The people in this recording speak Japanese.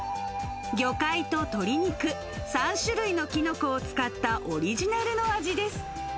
魚介と鶏肉、３種類のキノコを使ったオリジナルの味です。